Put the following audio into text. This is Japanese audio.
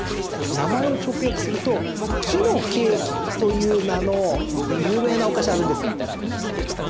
名前を直訳すると木のケーキという名の有名なお菓子があるんですが？